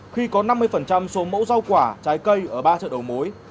ban quản lý an toàn thực phẩm tp hcm khi có năm mươi số mẫu rau quả trái cây ở ba chợ đầu mối